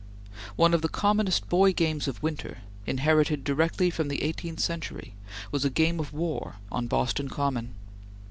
One of the commonest boy games of winter, inherited directly from the eighteenth century, was a game of war on Boston Common.